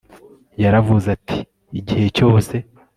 yaravuze ati igihe cyose